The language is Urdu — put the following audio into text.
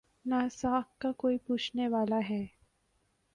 نہ ساکھ کا کوئی پوچھنے والا ہے۔